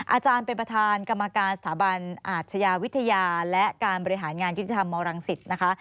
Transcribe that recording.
อาจารย์เป็นประธานกรรมการสถาบันอาชญาวิทยาและการบริหารงานยุติธรรมมรังสิตนะคะ